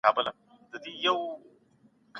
له ډکې خولې خبرې مه کوئ.